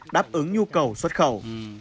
đáp ứng nhu cầu xuất khẩu